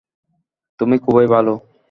তুমি খুবই ভালো।